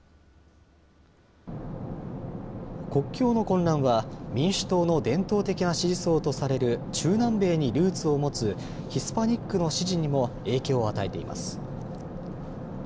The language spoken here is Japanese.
国境の混乱は民主党の伝統的な支持層とされる中南米にルーツを持つヒスパニックの支持にも影響を与えています。